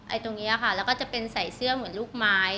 ตรงนี้ค่ะแล้วก็จะเป็นใส่เสื้อเหมือนลูกไม้